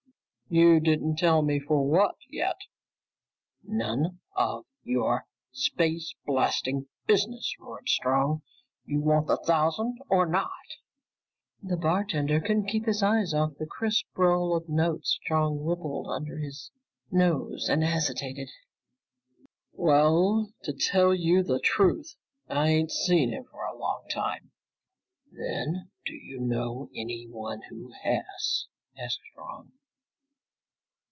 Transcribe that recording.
"You didn't tell me for what, yet." "None of your space blasting business," roared Strong. "You want the thousand or not?" The bartender couldn't keep his eyes off the crisp roll of credit notes Strong rippled under his nose and hesitated. "Well, to tell you the truth, I ain't seen him for a long time." "Then do you know anyone who has?" asked Strong.